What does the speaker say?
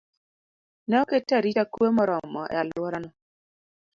ne oket arita kwe moromo e alworano.